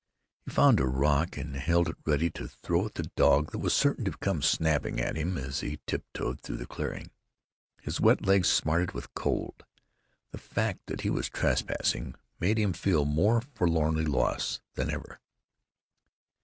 He found a rock and held it ready to throw at the dog that was certain to come snapping at him as he tiptoed through the clearing. His wet legs smarted with cold. The fact that he was trespassing made him feel more forlornly lost than ever.